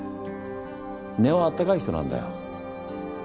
根は温かい人なんだよ。